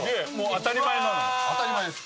当たり前です。